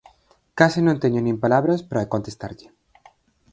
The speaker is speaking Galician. Case non teño nin palabras para contestarlle.